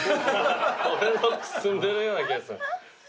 俺のくすんでるような気がする。